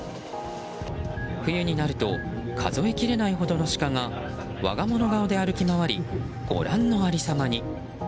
冬になると数えきれないほどのシカが我が物顔で歩き回りご覧の有り様に。